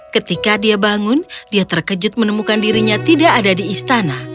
ketika dia bangun dia terkejut menemukan raja